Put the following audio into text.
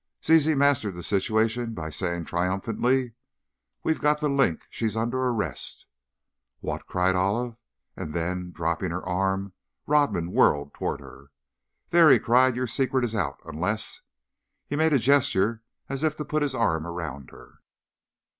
Zizi mastered the situation by saying, triumphantly: "We've got 'The Link!' She's under arrest!" "What!" cried Olive, and then, dropping her arm, Rodman whirled toward her: "There!" he cried, "your secret is out! Unless " He made a gesture as if to put his arm round her.